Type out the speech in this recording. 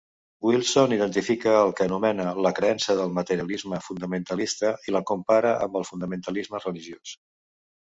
Wilson identifica el que anomena la creença del "materialisme fundamentalista" i la compara amb el fundamentalisme religiós.